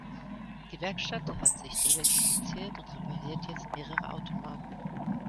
Die Werkstatt hat sich diversifiziert und repariert jetzt mehrere Automarken.